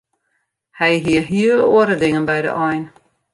Hy hie hele oare dingen by de ein.